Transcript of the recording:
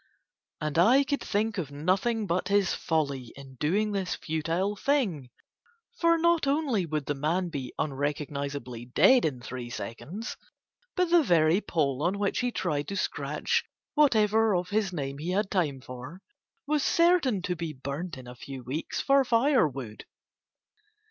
And I could think of nothing but his folly in doing this futile thing, for not only would the man be unrecognizably dead in three seconds, but the very pole on which he tried to scratch whatever of his name he had time for was certain to be burnt in a few weeks for firewood.